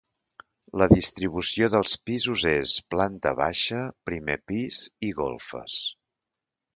La distribució dels pisos és planta baixa, primer pis i golfes.